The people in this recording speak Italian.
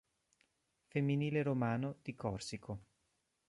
Femminile Romano" di Corsico.